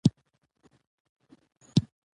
چار مغز د افغانستان یو ډېر لوی او مهم طبعي ثروت دی.